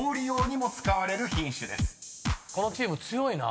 このチーム強いな。